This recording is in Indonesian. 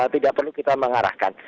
tidak perlu kita mengarahkan